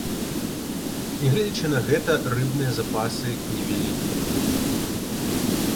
Нягледзячы на гэта, рыбныя запасы невялікія.